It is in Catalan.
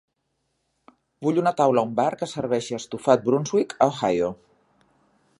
Vull una taula a un bar que serveixi estofat Brunswick a Ohio.